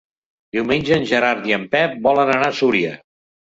Diumenge en Gerard i en Pep volen anar a Súria.